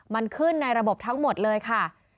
มันขึ้นในระบบทั้งหมดเลยค่ะ